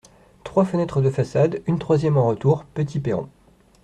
Trois fenêtres de façade, une troisième en retour ; petit perron.